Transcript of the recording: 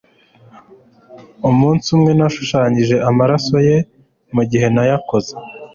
umunsi umwe, nashushanyije amaraso ye, mugihe nayakoze